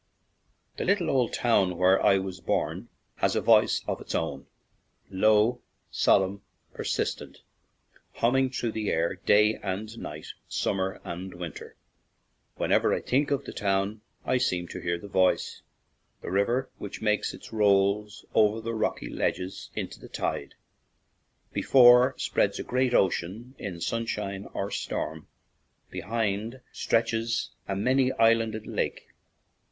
" The little old town where I was born has a voice of its own,' low, solemn, persistent, humming through the air day and night, summer and winter. When ever I think of that town I seem to hear the voice. The river which makes it rolls over rocky ledges into the tide. Before spreads a great ocean in sunshine or storm ; behind stretches a many islanded lake.